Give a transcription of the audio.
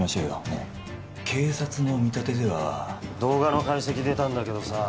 え警察の見立てでは動画の解析出たんだけどさ